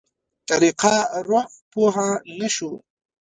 طريقه روح پوه نه شو.